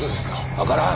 わからん。